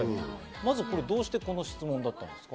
まず、どうしてこの質問だったんですか？